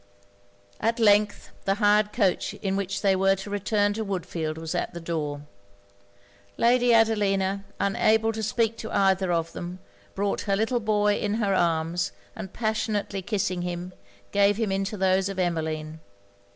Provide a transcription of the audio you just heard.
At length the hired coach in which they were to return to Woodfield was at the door. Lady Adelina, unable to speak to either of them, brought her little boy in her arms, and passionately kissing him, gave him into those of Emmeline.